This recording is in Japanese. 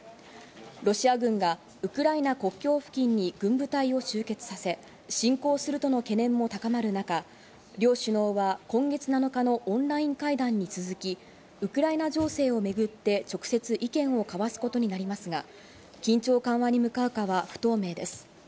ロシア軍がウクライナ国境付近に軍部隊を集結させ、侵攻するとの懸念も高まる中、両首脳は今月７日のオンライン会議に続き、ウクライナ情勢をめぐって直接意見を交わすことになりますが、緊張緩和に向かうかは不透明です。